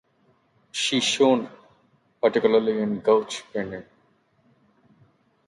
She shone particularly in gouache painting.